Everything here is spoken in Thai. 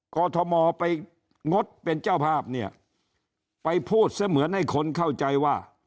อทมไปงดเป็นเจ้าภาพเนี่ยไปพูดเสมือนให้คนเข้าใจว่า